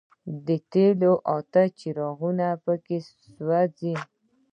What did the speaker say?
د تېلو اته څراغونه په کې سوځي.